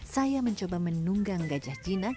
saya mencoba menunggang gajah jinak